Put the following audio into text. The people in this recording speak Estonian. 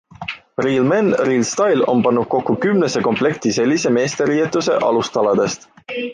Real Men Real Style on pannud kokku kümnese komplekti sellise meesteriietuse alustaladest.